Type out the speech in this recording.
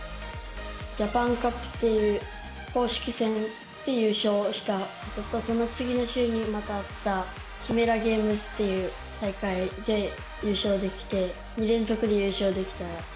ＪａｐａｎＣｕｐという公式戦で優勝して、その次の週にあったキメラゲームスっていう大会で優勝できて２連続で優勝できました。